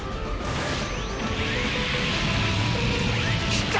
来た！